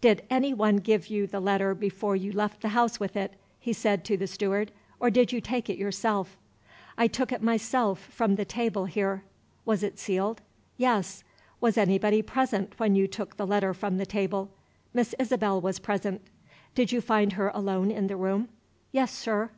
"Did anyone give you the letter before you left the house with it?" he said to the steward. "Or did you take it yourself?" "I took it myself, from the table here." "Was it sealed?" "Yes." "Was anybody present when you took the letter from the table?" "Miss Isabel was present." "Did you find her alone in the room?" "Yes, sir."